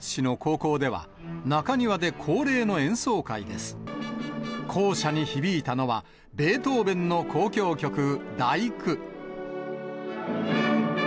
校舎に響いたのは、ベートーベンの交響曲、第九。